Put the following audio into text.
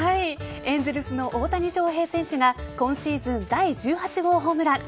エンゼルスの大谷翔平選手が今シーズン第１８号ホームラン。